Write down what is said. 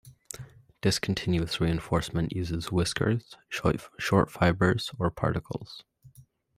Discontinuous reinforcement uses "whiskers", short fibers, or particles.